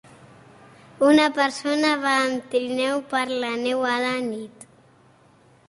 Una persona va amb trineu per la neu a la nit.